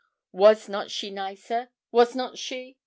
'Was not she nicer? was not she?